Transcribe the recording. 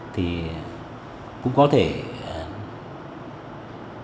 thì cũng có thể là một bộ phòng cháy chữa chữa chữa